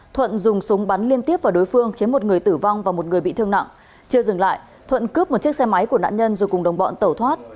thuận dùng súng bắn liên tiếp vào đối phương khiến một người tử vong và một người bị thương nặng chưa dừng lại thuận cướp một chiếc xe máy của nạn nhân rồi cùng đồng bọn tẩu thoát